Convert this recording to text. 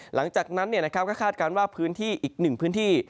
หลังจากนั้นคาดการณ์ว่าอีกหนึ่งพื้นที่